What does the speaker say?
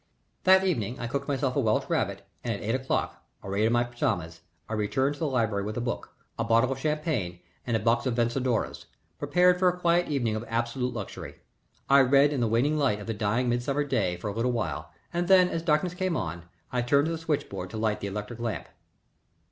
That evening I cooked myself a welsh rabbit and at eight o'clock, arrayed in my pajamas, I returned to the library with a book, a bottle of champagne and a box of Vencedoras, prepared for a quiet evening of absolute luxury. I read in the waning light of the dying midsummer day for a little while, and then, as darkness came on, I turned to the switch board to light the electric lamp.